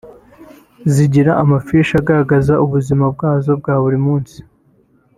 zigira amafishi agaragaza ubuzima bwazo bwa buri munsi